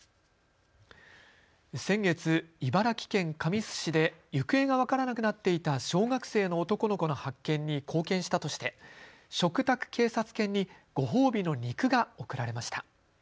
先月、茨城県神栖市で行方が分からなくなっていた小学生の男の子の発見に貢献したとして嘱託警察犬にご褒美の肉が贈られました。